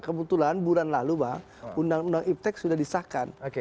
kebetulan bulan lalu bang undang undang iptek sudah disahkan